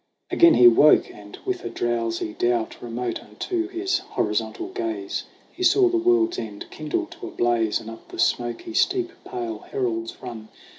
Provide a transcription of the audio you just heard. Again he woke, and with a drowsy doubt, Remote unto his horizontal gaze He saw the world's end kindle to a blaze And up the smoky steep pale heralds run.